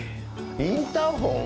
インターホン？